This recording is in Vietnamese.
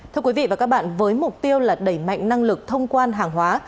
thưa quý vị và các bạn với mục tiêu là đẩy mạnh năng lực thông quan hàng hóa